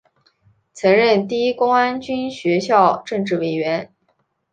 曾任第一公安军学校政治委员。